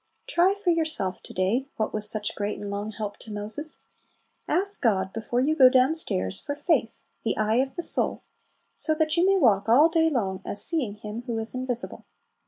Try for yourself to day what was such great and long help to Moses. Ask God, before you go down stairs, for faith, "the eye of the soul," so that you may walk all day long "as seeing Him who is invisible."